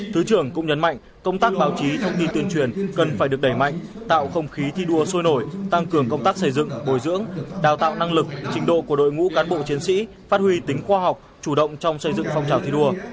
thứ trưởng cũng nhấn mạnh công tác báo chí thông tin tuyên truyền cần phải được đẩy mạnh tạo không khí thi đua sôi nổi tăng cường công tác xây dựng bồi dưỡng đào tạo năng lực trình độ của đội ngũ cán bộ chiến sĩ phát huy tính khoa học chủ động trong xây dựng phong trào thi đua